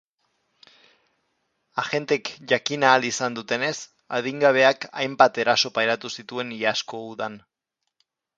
Agenteek jakin ahal izan dutenez, adingabeak hainbat eraso pairatu zituen iazko udan.